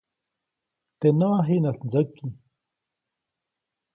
Teʼ noʼa jiŋäʼt ndsajku.